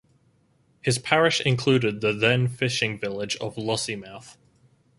His parish included the (then) fishing village of Lossiemouth.